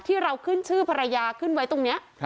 ที่เราขึ้นชื่อภรรยาขึ้นไว้ตรงนี้